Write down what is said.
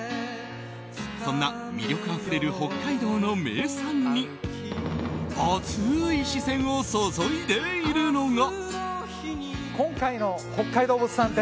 そんな魅力あふれる北海道の名産に熱い視線を注いでいるのが。